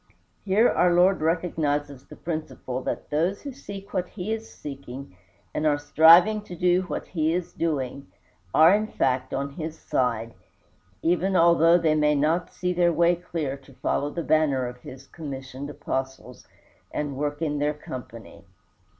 Here our Lord recognizes the principle that those who seek what he is seeking, and are striving to do what he is doing, are in fact on his side, even although they may not see their way clear to follow the banner of his commissioned Apostles and work in their company.